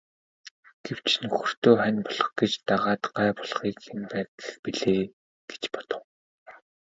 Гэвч нөхөртөө хань болох гэж дагаад гай болохыг хэн байг гэх билээ гэж бодов.